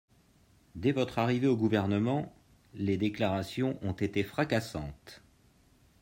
Dès votre arrivée au Gouvernement, les déclarations ont été fracassantes.